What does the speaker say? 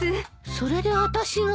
それであたしが？